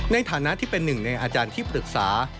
ในฐานะที่เป็นหนึ่งในอาจารย์ที่ปรึกษา